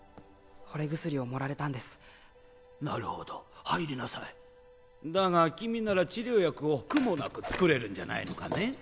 惚れ薬を盛られたんですなるほど入りなさいだが君なら治療薬を苦もなく作れるんじゃないのかね？